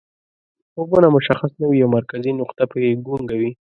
خوبونه مشخص نه وي او مرکزي نقطه پکې ګونګه وي